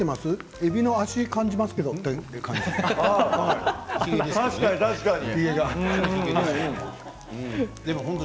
えびの足を感じますけど確かに確かに。